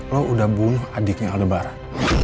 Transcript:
lo udah bunuh adiknya lebaran